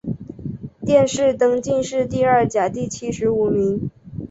殿试登进士第二甲第七十五名。